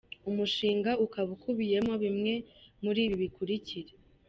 Umushinga ukaba ukubiyemo bimwe muri ibi bikurikira:.